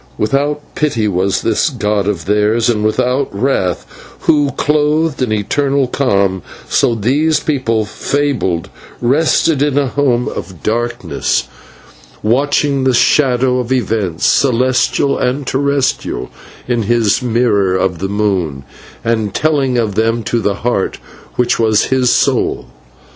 Without pity was this god of theirs, and without wrath, who, clothed in eternal calm, so these people fabled, rested in a home of darkness, watching the shadow of events celestial and terrestrial in his mirror of the moon, and telling of them to the Heart which was his soul.